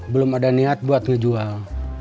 belum ada niat buat ngejual